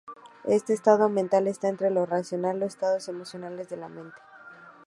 Este estado mental está entre lo racional los estados emocionales de la mente.